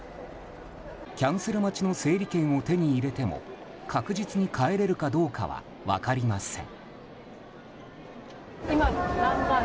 キャンセル待ちの整理券を手に入れても確実に帰れるかどうかは分かりません。